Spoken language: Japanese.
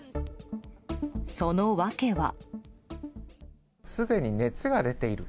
その訳は。